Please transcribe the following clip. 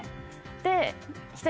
で